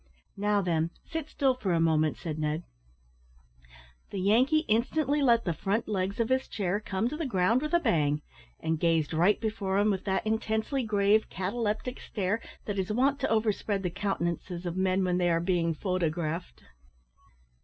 "Now, then, sit still for a moment," said Ned. The Yankee instantly let the front legs of his chair come to the ground with a bang, and gazed right before him with that intensely grave, cataleptic stare that is wont to overspread the countenances of men when they are being photographed.